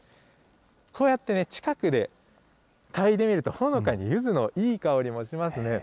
こうやってね、近くで嗅いでみると、ほのかにゆずのいい香りもしますね。